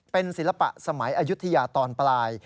เป็นศิลปะสมัยอายุทยาตอนปลาย